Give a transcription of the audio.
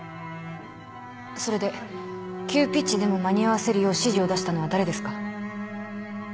それで急ピッチでも間に合わせるよう指示を出したのは誰ですか。